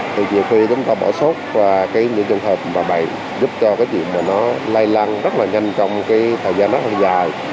thì nhiều khi chúng ta bỏ sốt và những trường hợp bệnh giúp cho cái chuyện này nó lay lăng rất là nhanh trong thời gian rất là dài